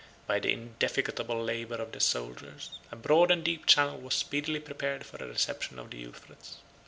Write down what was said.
By the indefatigable labor of the soldiers, a broad and deep channel was speedily prepared for the reception of the Euphrates.